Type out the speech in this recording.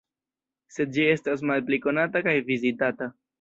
Sed ĝi estas malpli konata kaj vizitata.